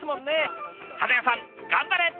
花屋さん頑張れ！